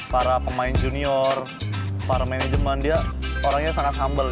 para pemain junior para manajemen dia orangnya sangat humble